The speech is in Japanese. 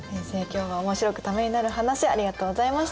今日もおもしろくためになる話ありがとうございました。